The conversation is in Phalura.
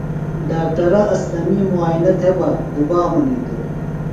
ڈاکٹرہ اسلمی مُعائنہ تھےۡ بہ گُبا منِیتوۡ؟